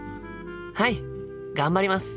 はい頑張ります！